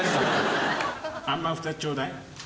あんまん２つちょうだい。